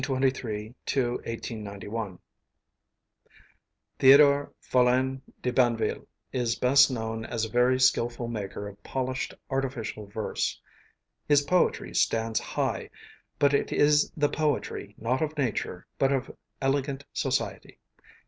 THÉODORE DE BANVILLE (1823 1891) Théodore Faullain De Banville is best known as a very skillful maker of polished artificial verse. His poetry stands high; but it is the poetry not of nature, but of elegant society.